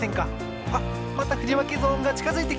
わっまたふりわけゾーンがちかづいてきています。